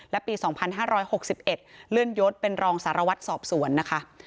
และปีสองพันห้าร้อยหกสิบเอ็ดเลื่อนยศเป็นรองสารวัตรศอบสวนนะคะ